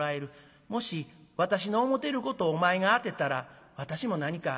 もし私の思てることをお前が当てたら私も何か賞品を出そうやないか」。